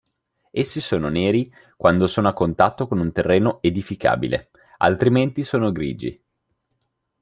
Essi sono neri quando sono a contatto con un terreno edificabile, altrimenti sono grigi.